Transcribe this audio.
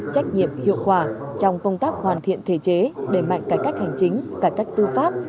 trách nhiệm hiệu quả trong công tác hoàn thiện thể chế đẩy mạnh cải cách hành chính cải cách tư pháp